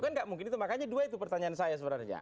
kan nggak mungkin itu makanya dua itu pertanyaan saya sebenarnya